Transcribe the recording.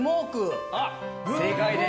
正解です。